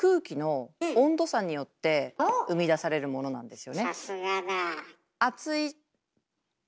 さすがだ。